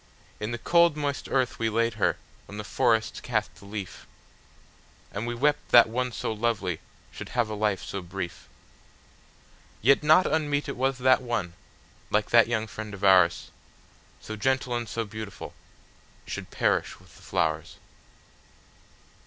In the cold moist earth we laid her, when the forests cast the leaf, And we wept that one so lovely should have a life so brief:Yet not unmeet it was that one, like that young friend of ours, So gentle and so beautiful, should perish with the flowers.